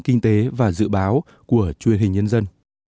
kinh tế và dự báo của truyền hình nhân dân